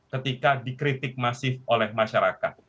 ketika dikritik masif oleh masyarakat